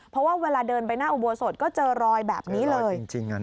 เพราะว่าเวลาเดินไปหน้าอุโบสถก็เจอรอยแบบนี้เลย